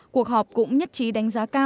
cuộc họp cũng nhất trí đánh giá cao